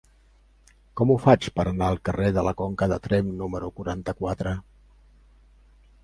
Com ho faig per anar al carrer de la Conca de Tremp número quaranta-quatre?